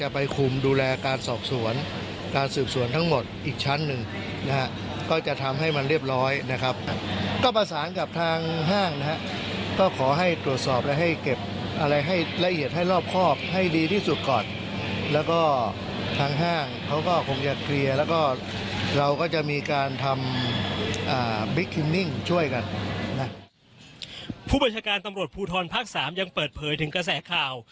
ผู้บัญชาการตำรวจภูทรภาค๓ยังเปิดเผยถึงกระแสข่าว